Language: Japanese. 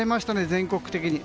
全国的に。